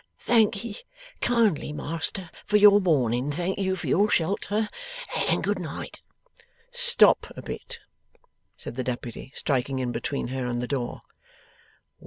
'Thank ye kindly, Master, for your warning, thank ye for your shelter, and good night.' 'Stop a bit,' said the Deputy, striking in between her and the door.